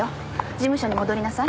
事務所に戻りなさい。